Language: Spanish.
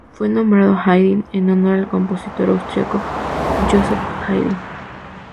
Fue nombrado Haydn en honor al compositor austríaco Joseph Haydn.